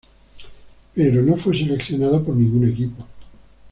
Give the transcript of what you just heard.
Pero no fue seleccionado por ningún equipo.